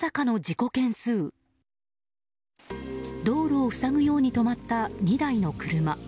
道路を塞ぐように止まった２台の車。